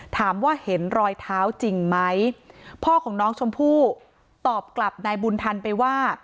ถามว่าเห็นรอยเท้าจริงไหมพ่อของน้องชมพู่ตอบกลับนายบุญทันไปว่า